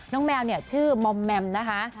น้องแมวชื่อมอมแมมนะคะ